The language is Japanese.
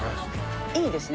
いいですね。